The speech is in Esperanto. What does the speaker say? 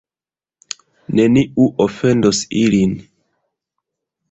Neniu ofendos ilin.